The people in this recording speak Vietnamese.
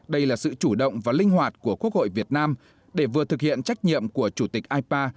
đây là sự chủ động và linh hoạt của quốc hội việt nam để vừa thực hiện trách nhiệm của chủ tịch ipa